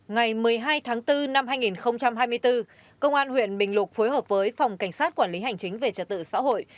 ngày một mươi hai tháng bốn năm hai nghìn hai mươi bốn công an huyện bình lục phối hợp với phòng cảnh sát quản lý hành chính về trật tự xã hội